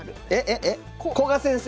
古賀先生！